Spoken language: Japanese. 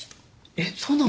えっそうなの？